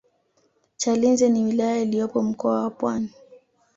chalinze ni wilaya iliyopo mkoa wa pwani